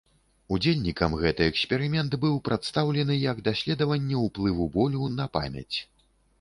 Удзельнікам гэты эксперымент быў прадстаўлены як даследаванне ўплыву болю на памяць.